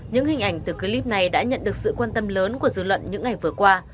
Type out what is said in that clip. những hình ảnh từ clip này đã nhận được sự quan tâm lớn của dư luận những ngày vừa qua